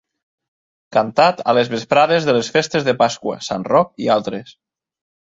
Cantat a les vesprades de les festes de Pasqua, sant Roc i altres.